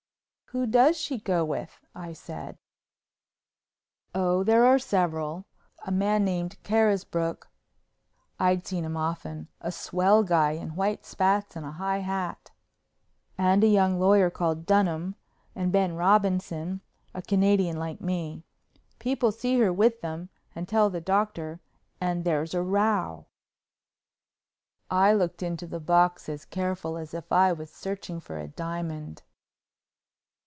"Who does she go with?" I said. "Oh, there are several. A man named Carisbrook——" I'd seen him often, a swell guy in white spats and a high hat—"and a young lawyer called Dunham and Ben Robinson, a Canadian like me. People see her with them and tell the doctor and there's a row." I looked into the box as careful as if I was searching for a diamond.